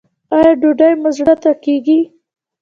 ایا ډوډۍ مو زړه ته کیږي؟